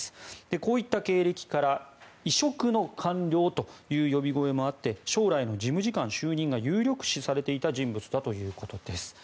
こういった経歴から異色の官僚という呼び声もあって将来の事務次官就任が有力視されていた人物だということです。